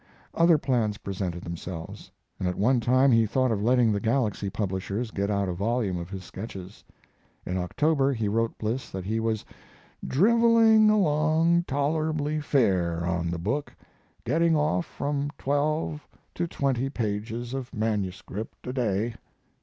Other plans presented themselves, and at one time he thought of letting the Galaxy publishers get out a volume of his sketches. In October he wrote Bliss that he was "driveling along tolerably fair on the book, getting off from twelve to twenty pages of manuscript a day."